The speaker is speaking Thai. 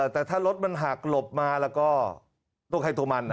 แต่ถ้ารถมันหักหลบมาแล้วก็ตัวใครตัวมัน